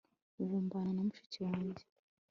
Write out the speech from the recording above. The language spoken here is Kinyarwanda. ubu mbana na mushiki wanjye